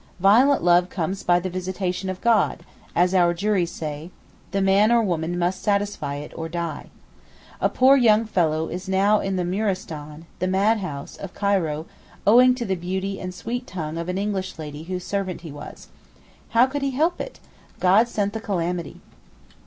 Violent love comes 'by the visitation of God,' as our juries say; the man or woman must satisfy it or die. A poor young fellow is now in the muristan (the madhouse) of Cairo owing to the beauty and sweet tongue of an English lady whose servant he was. How could he help it? God sent the calamity.